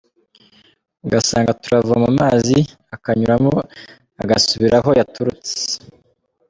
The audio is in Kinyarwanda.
Ugasanga turavoma amazi akanyuramo agasubira aho yaturutse.